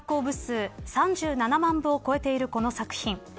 部数３７万部を超えているこの作品。